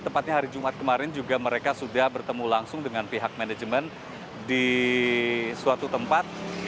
tepatnya hari jumat kemarin juga mereka sudah bertemu langsung dengan pihak manajemen di suatu tempat